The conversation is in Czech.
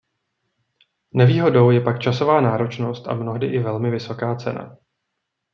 Nevýhodou je pak časová náročnost a mnohdy i velmi vysoká cena.